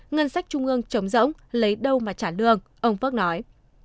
ngân sách trung ương chống rỗng lấy đâu mà trả lương ông phước nói